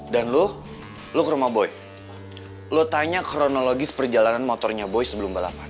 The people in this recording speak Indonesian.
dan lo lo ke rumah boy lo tanya kronologis perjalanan motornya boy sebelum balapan